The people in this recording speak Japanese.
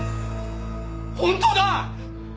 本当だ！